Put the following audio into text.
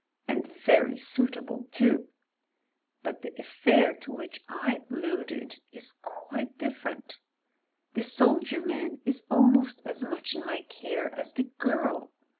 And very suitable too. But the affair to which I alluded is quite different The soldier man is almost as much in my care as the girl.